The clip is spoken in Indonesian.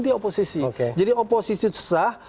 di oposisi jadi oposisi sesah